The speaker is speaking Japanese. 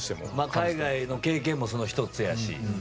海外の経験もその１つやし。